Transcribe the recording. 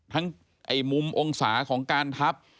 ไอ้มุมองศาของการทับ